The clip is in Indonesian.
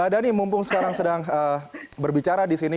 dhani mumpung sekarang sedang berbicara di sini